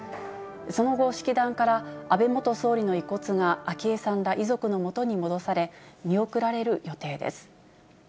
その後、式壇から安倍元総理の遺骨が昭恵さんら遺族のもとに戻され、見送られる予定です。